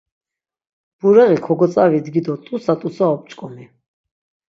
Bureği kogotzavidgi do t̆utsa t̆utsa op̆ç̆k̆omi.